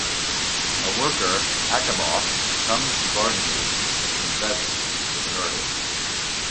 A worker, Akimov, comes to Bardiny and confesses to the murder.